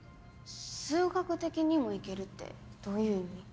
「数学的にも行ける」ってどういう意味？